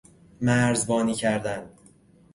مرزبانی کردن